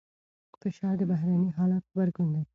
فشار د بهرني حالت غبرګون دی.